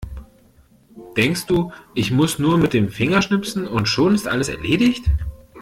Denkst du, ich muss nur mit dem Finger schnipsen und schon ist alles erledigt?